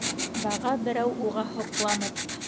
Баға берәү уға һоҡланып.